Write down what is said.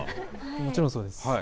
もちろんそうです。